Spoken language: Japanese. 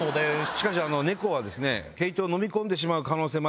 しかし猫は。